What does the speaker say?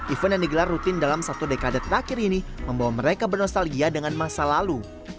event yang digelar rutin dalam satu dekade terakhir ini membawa mereka bernostalgia dengan masa lalu